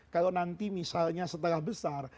kalau nanti misalnya setelah besar